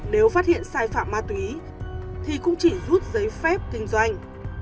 nếu phát hiện sai phạm ma túy thì cũng chỉ rút giấy phép kinh doanh